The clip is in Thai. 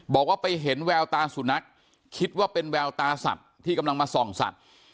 บอกว่าไปเห็นแววตาสุนัขคิดว่าเป็นแววตาสัตว์ที่กำลังมาส่องสัตว์